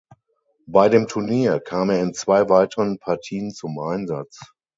Bei dem Turnier kam er in zwei weiteren Partien zum Einsatz.